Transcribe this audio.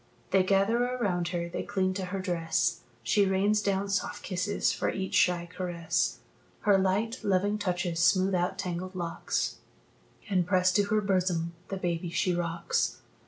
They gather around her, they cling to her dress; She rains down soft kisses for each shy caress. Her light, loving touches smooth out tangled locks, And, pressed to her bosom, the baby she rocks.